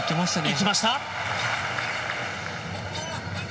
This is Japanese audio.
行きました！